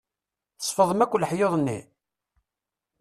Tsefḍem akk leḥyuḍ-nni?